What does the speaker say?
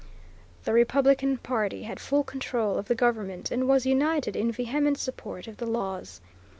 The Republican party had full control of the government and was united in vehement support of the laws.